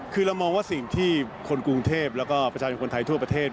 คือเรามองว่าสิ่งที่คนกรุงเทพแล้วก็ประชาชนคนไทยทั่วประเทศ